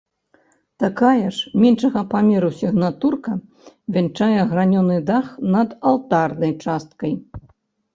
Такая ж меншага памеру сігнатурка вянчае гранёны дах над алтарнай часткай.